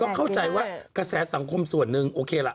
เข้าใจว่ากระแสสังคมส่วนหนึ่งโอเคล่ะ